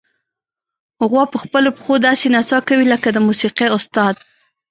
غوا په خپلو پښو داسې نڅا کوي لکه د موسیقۍ استاد.